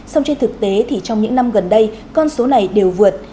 song trên thực tế thì trong những năm gần đây con số này đều vượt